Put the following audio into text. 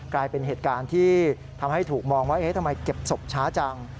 กลายเป็นเหตุการณ์ที่ทำให้ถูกมองว่าทำไมเก็บศพช้าจัง